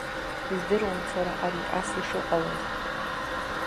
Издыруан сара ари ас ишыҟалоз.